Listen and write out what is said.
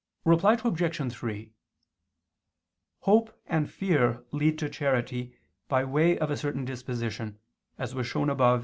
Reply Obj. 3: Hope and fear lead to charity by way of a certain disposition, as was shown above (Q.